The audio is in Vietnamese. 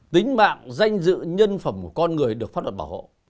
tính mạng danh dự nhân phẩm của con người được pháp luật bảo hộ